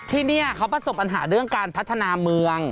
ที่นี่เขาประสบปัญหาเรื่องการพัฒนาเมือง